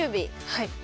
はい。